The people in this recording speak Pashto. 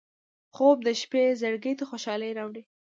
خوب د شپه زړګي ته خوشالي راوړي